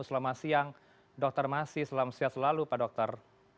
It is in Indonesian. selamat siang dr maksi selamat siang selalu pak dokter